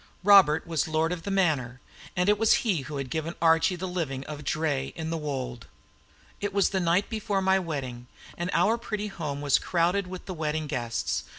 Robert was lord of the manor; and it was he who had given Archie the living of Draye in the Wold. It was the night before my wedding day, and our pretty home was crowded with the wedding guests.